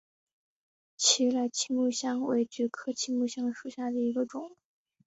奇莱青木香为菊科青木香属下的一个种。